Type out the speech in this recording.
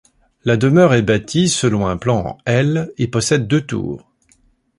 La demeure est bâtie selon un plan en L et possède deux tours.